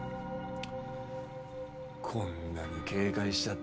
こんなに警戒しちゃって。